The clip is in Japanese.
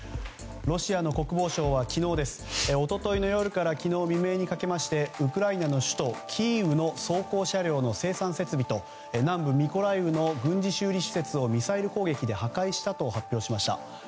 ロシアの国防省は昨日です、一昨日の夜から昨日未明にかけましてウクライナの首都キーウの装甲車両の生産設備と南部ミコライウの軍事施設をミサイル攻撃で破壊したと発表しました。